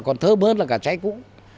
còn thơm hơn là cả trái cũ